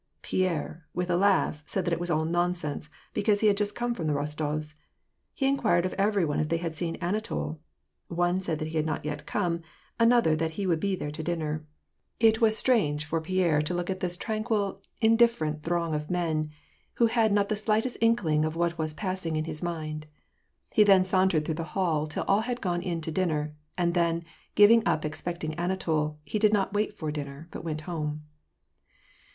Pierre, w4th a laugh, said that it was all nonsense, because he had just come from the Rostofs. He inquired of every one if they had seen Anatol; one said that he had not yet come; another that he would be there to dinner. It was strange WAR AND PEACE, 888 for Pierre to look at this tranquil, indifferent throng of men, who had not the slightest inkling of what was passing in his mind. He then sauntered through the hall till all had gone in to dinner ; and then, giving up expecting Anatol, he did not wait for dinner, but went home.